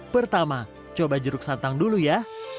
pertama coba jeruk santang dulu ya